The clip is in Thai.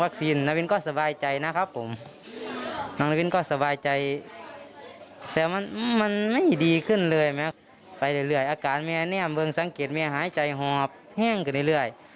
อาการแม่แน่มเบืองสังเกตแม่หายใจหอบแห้งกันเรื่อย